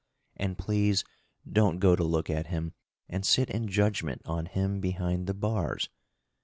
And please don't go to look at him and sit in judgment on him behind the bars.